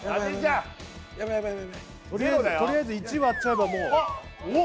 とりあえず１割っちゃえばもうあっおう！